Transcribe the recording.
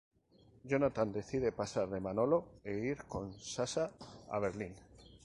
Jonathan decide pasar de Manolo e ir con Sasha a Berlin.